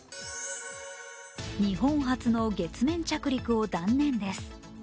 日本初の月面着陸を断念です。